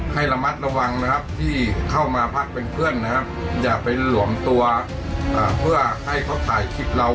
ให้ระมัดระวังนะครับที่เข้ามาพักเป็นเพื่อนนะครับอย่าไปหลวมตัวเพื่อให้เขาถ่ายคลิปเรา